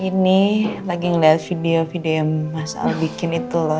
ini lagi ngelihat video video yang mas al bikin itu loh